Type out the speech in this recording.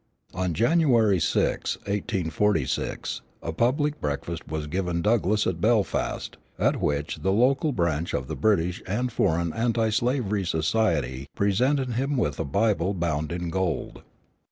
On January 6, 1846, a public breakfast was given Douglass at Belfast, at which the local branch of the British and Foreign Anti slavery Society presented him with a Bible bound in gold.